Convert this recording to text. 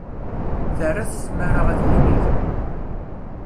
Terra-t tmara ad yinig.